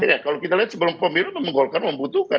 ya kalau kita lihat sebelum pemilu memang golkar membutuhkan